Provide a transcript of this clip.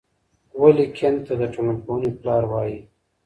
ولي کنت ته د ټولنپوهنې پلار وايي؟